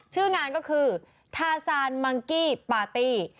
ชื่องานก็คือทาซานมังกี้ปาร์ตี้